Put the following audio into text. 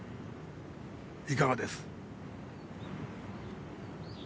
いかがです？